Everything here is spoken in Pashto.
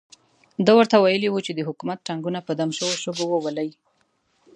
ده ورته ویلي وو چې د حکومت ټانګونه په دم شوو شګو وولي.